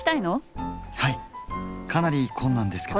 はいかなり困難ですけど。